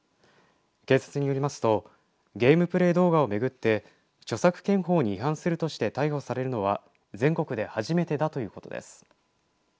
警察によりますとゲームプレー動画を巡って著作権法に違反するとして逮捕されるのは全国で初めてだということです。